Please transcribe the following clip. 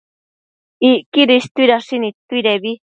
Icquidi istuidashi nidtuidebi